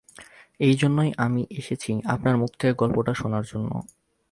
এই জন্যেই আমি এসেছি আপনার মুখ থেকে গল্পটা শোনার জন্যে।